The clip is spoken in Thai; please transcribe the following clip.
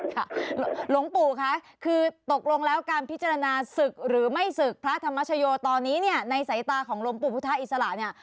หลวงปู่คะคือตกลงแล้วการพิจารณาศึกหรือไม่ศึกพระธรรมชโยตอนนี้เนี่ยในสายตาของหลวงปู่พุทธอิสระเนี่ย